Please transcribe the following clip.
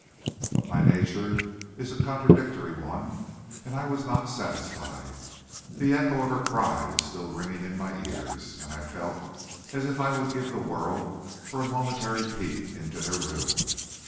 But my nature is a contradictory one, and I was not satisfied. The echo of her cry was still ringing in my ears, and I felt as if I would give the world for a momentary peep into their room.